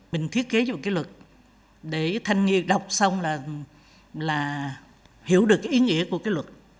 mình thiết kế một cái luật để thanh niên đọc xong là hiểu được cái ý nghĩa của cái luật